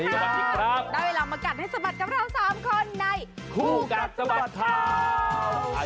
สวัสดีครับได้เวลามากัดให้สะบัดกับเรา๓คนในคู่กัดสะบัดข่าว